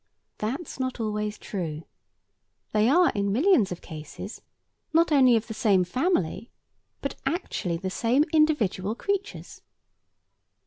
That's not always true. They are, in millions of cases, not only of the same family, but actually the same individual creatures.